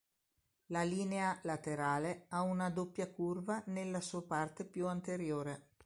La linea laterale ha una doppia curva nella sua parte più anteriore.